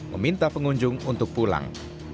meminta pengunjung untuk pulang